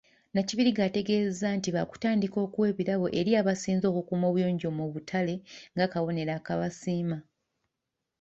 Nakibirige ategeezezza nti baakutandika okuwa ebirabo eri abasinze okukuuma obuyonjo mu butale ng'akabonero akabasiima.